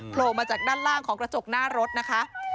โผล่มาจากด้านล่างของกระจกหน้ารถนะคะ